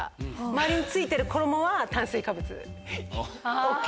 周りに付いてる衣は炭水化物ＯＫ。